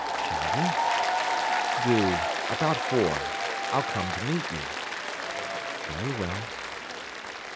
"Shall we?" "Do—about four. I'll come to meet you." "Very well."